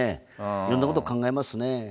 いろんなこと考えますね。